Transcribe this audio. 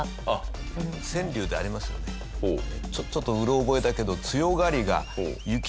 ちょっとうろ覚えだけど。